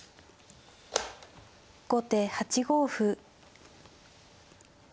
後手８五歩。